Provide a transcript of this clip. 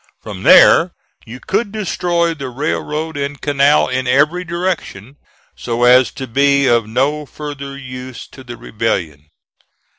From there you could destroy the railroad and canal in every direction, so as to be of no further use to the rebellion.